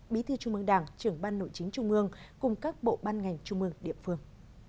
bí thư trung mương đảng trưởng ban nội chính trung mương cùng các bộ ban ngành trung mương địa phương